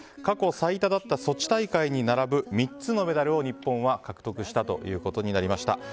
過去最多だったソチ大会に並ぶ３つのメダルを日本は獲得したということになりました。